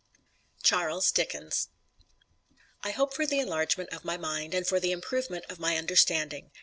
CHARLES DICKENS I hope for the enlargement of my mind, and for the improvement of my understanding.